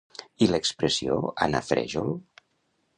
I l'expressió anar frèjol?